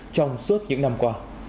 trong suốt những năm qua